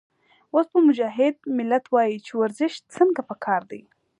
اوس به مجاهد ملت وائي چې ورزش څنګه پکار دے